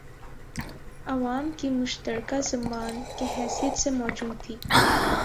عوام کی مشترکہ زبان کی حیثیت سے موجود تھی